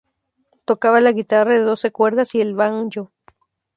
Tocaba la guitarra de doce cuerdas y el banjo.